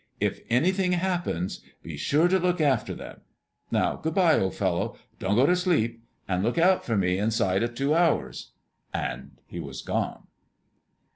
If anything happens be sure to look after them. Now good bye, old fellow. Don't go to sleep, and look out for me inside of two hours." And he was gone.